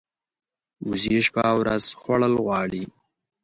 وزې شپه او ورځ خوړل غواړي